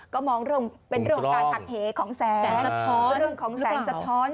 ก็มองเรื่องเป็นเรื่องของการหักเหของแสงสะท้อนเรื่องของแสงสะท้อน